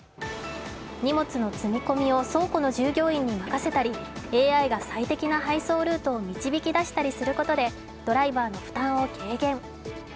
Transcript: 荷物の積み込みを倉庫の従業員に任せたり、ＡＩが最適な配送ルートを導き出したりすることでドライバーの負担を軽減。